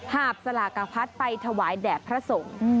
หาบสลากพัดไปถวายแด่พระสงฆ์